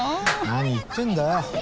何言ってんだよ。